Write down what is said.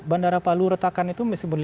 bandara palu retakan itu